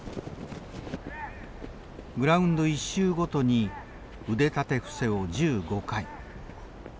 グラウンド１周ごとに腕立て伏せを１５回。